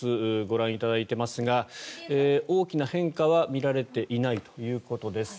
ご覧いただいていますが大きな変化は見られていないということです。